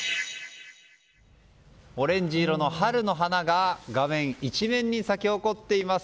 オレンジ色の春の花が画面一面に咲き誇っています。